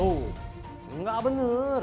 oh enggak bener